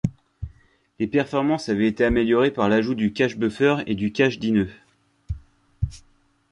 Les performances avaient été améliorées par l'ajout du cache buffer et du cache d'i-nœuds.